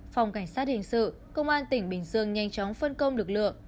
phòng cảnh sát hình sự công an tỉnh bình dương nhanh chóng phân công lực lượng